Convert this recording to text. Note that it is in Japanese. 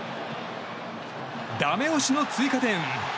だめ押しの追加点！